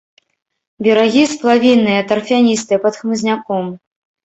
Берагі сплавінныя, тарфяністыя, пад хмызняком.